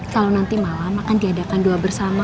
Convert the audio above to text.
kalau nanti malam akan diadakan doa bersama